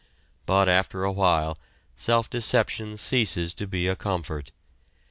But after a while self deception ceases to be a comfort.